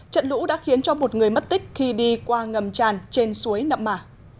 trận lũ đã khiến cho một người mất tích khi đi qua ngầm tràn trên suối nậm mả